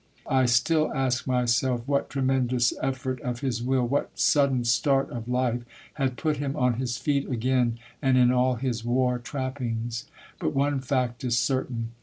I still ask myself what tremendous effort of his will, what sudden start of life, had put him on his feet again, and in all his war trappings. But one fact is certain.